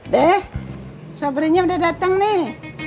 deh sobrinya udah datang nih